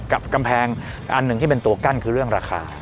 กำแพงอันหนึ่งที่เป็นตัวกั้นคือเรื่องราคา